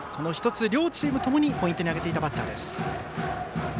両チームともにポイントに挙げていたバッター。